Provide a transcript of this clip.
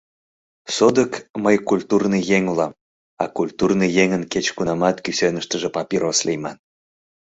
Содык, мый культурный еҥ улам, а культурный еҥын кеч-кунамат кӱсеныштыже папирос лийман.